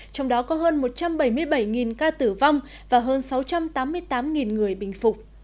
trong đó có hơn một trăm bảy mươi bảy ca tử vong và hơn sáu trăm tám mươi tám người bình phục